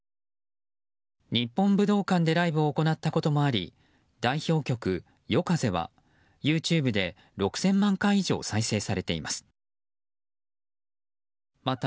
日本武道館でライブを行ったこともあり代表曲「ＹＯＫＡＺＥ」はＹｏｕＴｕｂｅで６０００万回以上再生されています。